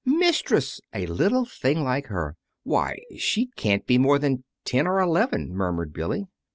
"Mistress! A little thing like her! Why, she can't be more than ten or eleven," murmured Billy.